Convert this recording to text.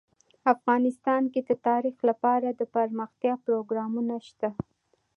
افغانستان کې د تاریخ لپاره دپرمختیا پروګرامونه شته.